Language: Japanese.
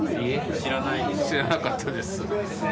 知らなかったです。